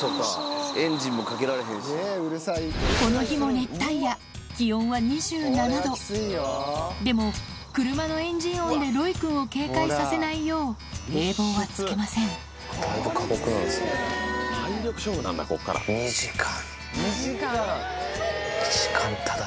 この日も熱帯夜でも車のエンジン音でロイくんを警戒させないよう冷房はつけません２時間！